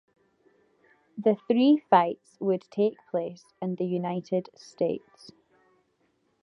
The three fights would take place in the United States.